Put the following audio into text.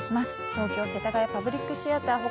東京世田谷パブリックシアター他